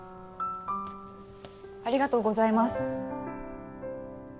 ありがとうございます。